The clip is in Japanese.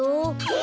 え！